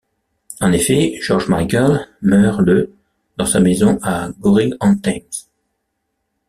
En effet, George Michael meurt le dans sa maison, à Goring-on-Thames.